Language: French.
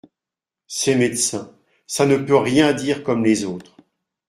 Ces médecins, ça ne peut rien dire comme les autres…